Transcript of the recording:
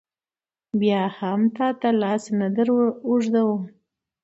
بیا هم تا ته لاس نه در اوږدوم.